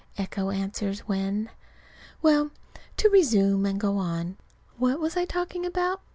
Echo answers when. Well, to resume and go on. What was I talking about?